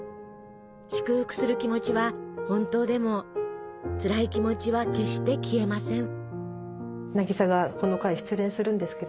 祝福する気持ちは本当でもつらい気持ちは決して消えません。